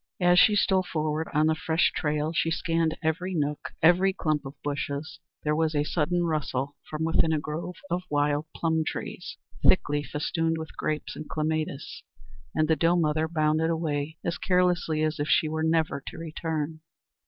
As she stole forward on the fresh trail she scanned every nook, every clump of bushes. There was a sudden rustle from within a grove of wild plum trees, thickly festooned with grape and clematis, and the doe mother bounded away as carelessly as if she were never to return.